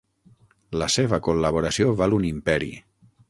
La seva col·laboració val un imperi.